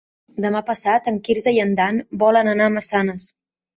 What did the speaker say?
Demà passat en Quirze i en Dan volen anar a Massanes.